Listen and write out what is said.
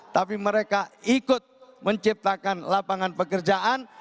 tapi mereka ikut menciptakan lapangan pekerjaan